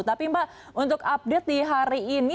tapi mbak untuk update di hari ini